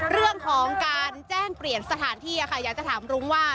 เรื่องของการแจ้งเปลี่ยนสถานที่ค่ะอยากจะถามรุ้งว่า